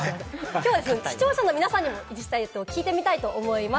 きょうは視聴者の皆さんにも実際に聞いてみたいと思います。